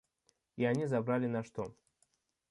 И они забрали наш дом.